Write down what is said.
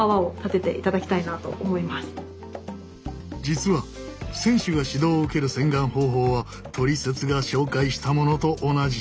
実は選手が指導を受ける洗顔方法は「トリセツ」が紹介したものと同じ。